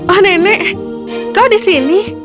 oh nenek kau di sini